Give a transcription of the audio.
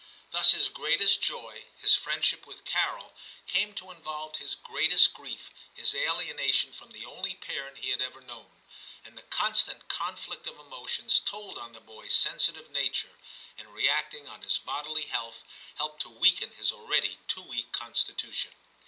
Thus his greatest joy, XI TIM 245 his friendship with Carol, came to involve his greatest grief, his alienation from the only parent he had ever known ; and the constant conflict of emotions told on the boy's sensitive nature, and reacting on his bodily health, helped to weaken his already too weak con stitution.